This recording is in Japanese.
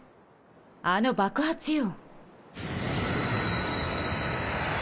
あの爆発よ。